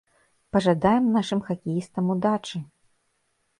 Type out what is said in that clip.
Пажадаем нашым хакеістам удачы!